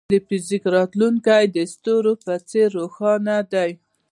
د فزیک راتلونکی د ستورو په څېر روښانه دی.